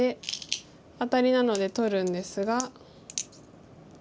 アタリなので取るんですが。